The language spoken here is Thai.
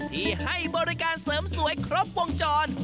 ที่ให้บริการเสริมสวยครบวงจร